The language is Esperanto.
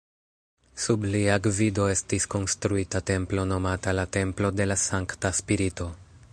Sub lia gvido estis konstruita templo nomata la "Templo de la Sankta Spirito".